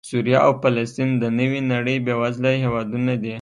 سوریه او فلسطین د نوې نړۍ بېوزله هېوادونه دي